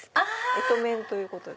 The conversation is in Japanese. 干支面ということで。